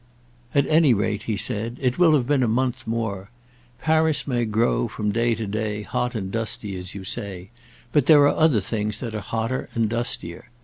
"At any rate," he said, "it will have been a month more. Paris may grow, from day to day, hot and dusty, as you say; but there are other things that are hotter and dustier.